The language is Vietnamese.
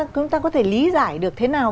chúng ta có thể lý giải được thế nào